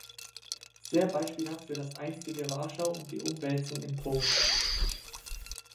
Sehr beispielhaft für das einstige Warschau und die Umwälzung in Polen.